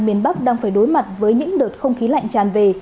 miền bắc đang phải đối mặt với những đợt không khí lạnh tràn về